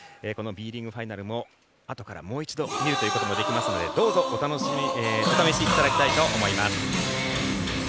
Ｂリーグファイナルもあとからもう一度見るということもできますので、どうぞお試しいただきたいと思います。